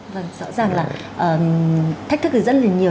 vâng rõ ràng là thách thức rất là nhiều